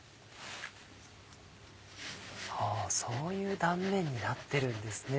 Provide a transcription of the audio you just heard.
あそういう断面になってるんですね。